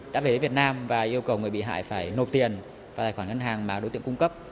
đã về đến việt nam và yêu cầu người bị hại phải nộp tiền vào tài khoản ngân hàng mà đối tượng cung cấp